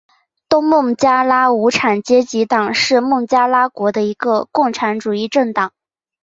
东孟加拉无产阶级党是孟加拉国的一个共产主义政党。